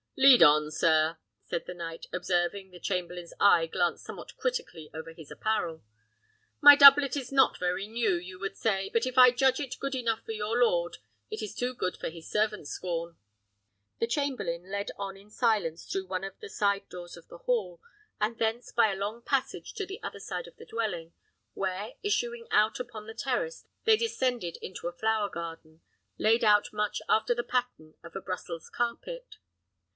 "Lead on, sir!" said the knight, observing the chamberlain's eye glance somewhat critically over his apparel. "My doublet is not very new, you would say; but if I judge it good enough for your lord, it is too good for his servant's scorn." The chamberlain led on in silence through one of the side doors of the hall, and thence by a long passage to the other side of the dwelling, where, issuing out upon the terrace, they descended into a flower garden, laid out much after the pattern of a Brussels carpet.